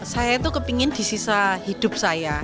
saya itu kepingin di sisa hidup saya